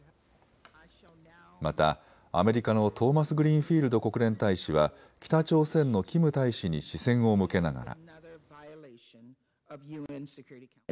またアメリカのトーマスグリーンフィールド国連大使は北朝鮮のキム大使に視線を向けながら。